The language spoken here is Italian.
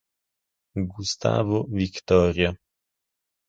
Gustavo Victoria